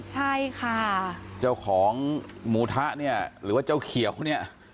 ใช่ค่ะเจ้าของหมูทะเนี่ยหรือว่าเจ้าเขียวเนี่ย